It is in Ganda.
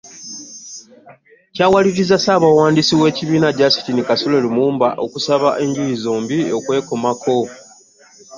Kyawaliriza Ssaabawandiisi w'ekibiina, Justine Kasule Lumumba okusaba enjuyi zombi okwekomako.